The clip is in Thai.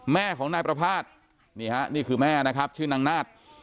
แม่ของนายประภาษณ์นี่ฮะนี่คือแม่นะครับชื่อนางนาฏ